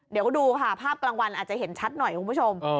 เดี๋ยวดูค่ะภาพกลางวันอาจจะเห็นชัดหน่อยคุณผู้ชม